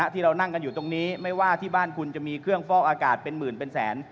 ที่เรานั่งกันอยู่ตรงนี้ไม่ว่าที่บ้านคุณจะมีเครื่องฟอกอากาศเป็นหมื่นเป็นแสน